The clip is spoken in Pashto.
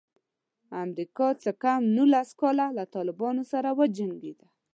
امریکا څه کم نولس کاله له طالبانو سره وجنګېده.